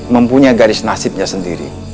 mempunyai garis nasibnya sendiri